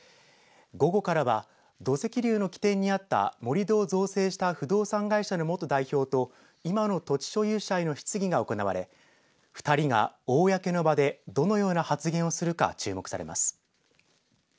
午後からは土石流の起点にあった盛り土を造成した不動産会社の元代表と今の土地所有者への質疑が行われ２人が公の場でどのような発言をするか注目されます。